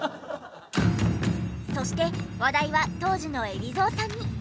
そして話題は当時の海老蔵さんに。